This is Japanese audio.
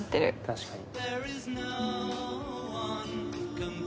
確かに。